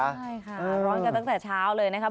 ใช่ค่ะร้อนกันตั้งแต่เช้าเลยนะครับ